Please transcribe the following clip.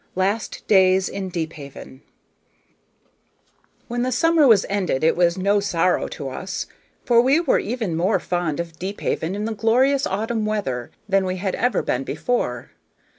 Last Days in Deephaven When the summer was ended it was no sorrow to us, for we were even more fond of Deephaven in the glorious autumn weather than we had ever been before.